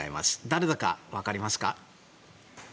誰だか分かりますか。